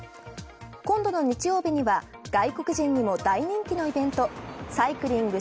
今度の日曜日には外国人にも大人気のイベントサイクリング